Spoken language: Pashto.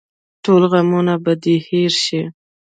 ټول غمونه به دې هېر شي.